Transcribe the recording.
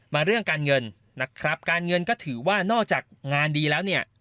เรื่องการเงินนะครับการเงินก็ถือว่านอกจากงานดีแล้วเนี่ย